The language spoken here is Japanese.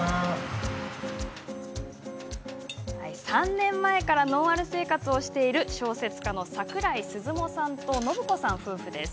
３年前からノンアル生活をしている小説家の桜井鈴茂さんとのぶ子さん夫婦です。